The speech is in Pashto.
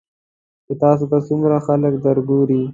چې تاسو ته څومره خلک درګوري .